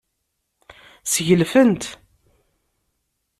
Sgelfent.